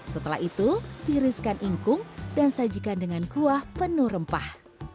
setelah itu tiriskan ingkung dan sajikan dengan kuah penuh rempah